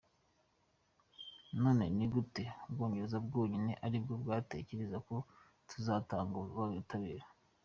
None ni gute u Bwongereza bwonyine aribwo bwatekereza ko tutazatanga ubutabera?”.